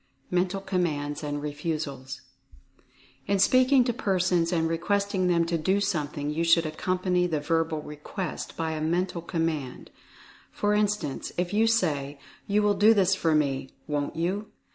MENTAL COMMANDS AND REFUSALS. In speaking to persons and requesting them to do something, you should accompany the verbal request by a Mental Command. For instance, if you say "You will do this for me, won't you?"